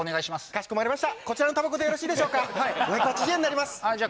かしこまりましたこちらのタバコでよろしいでしょうか５８０円になりますじゃ